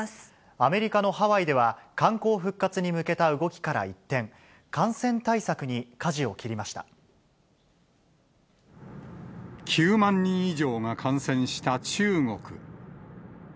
アメリカのハワイでは、観光復活に向けた動きから一転、９万人以上が感染した中国。